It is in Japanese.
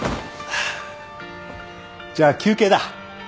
じゃあ休憩だ。